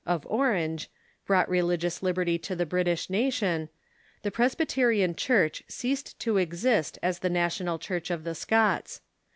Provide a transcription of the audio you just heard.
(of Orange) brought religious liberty to the British nation, the Presbyterian Cyhurch ceased to exist as the national Church of the Scots.